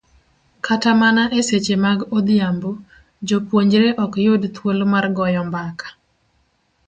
Kata mana e seche mag odhiambo, jopuonjre ok yud thuolo mar goyo mbaka